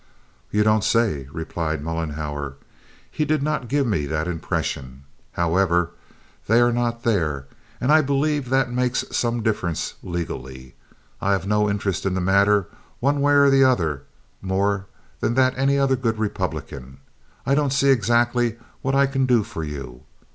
"You don't say," replied Mollenhauer. "He did not give me that impression. However, they are not there, and I believe that that makes some difference legally. I have no interest in the matter one way or the other, more than that of any other good Republican. I don't see exactly what I can do for you.